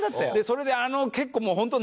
それで結構もうホント。